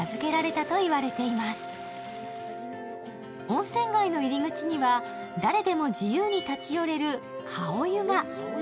温泉街の入り口には誰でも自由に立ち寄れる顔湯が。